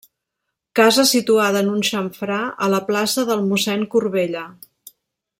Casa situada en un xamfrà a la plaça del Mossèn Corbella.